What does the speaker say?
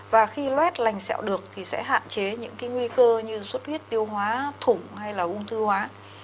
và khi lết lành sẹo được thì sẽ hạn chế những cái nguy cơ như suất huyết tiêu hóa thủng hay là ung thư hóa